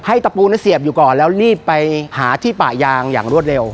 ตะปูนั้นเสียบอยู่ก่อนแล้วรีบไปหาที่ป่ายางอย่างรวดเร็ว